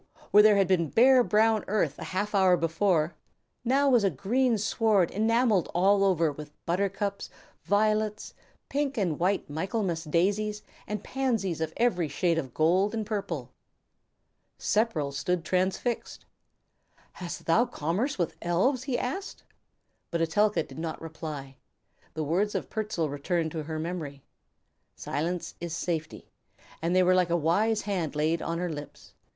where had been bare, brown earth a half hour before, was now a green sward enamelled all over with buttercups, violets, pink and white Michaelmas daisies, and pansies of every shade of gold and purple. Sepperl stood transfixed. "Hast thou commerce with the elves?" he asked. But Etelka did not reply. The words of Pertzal recurred to her memory, "Silence is safety," and they were like a wise hand laid on her lips.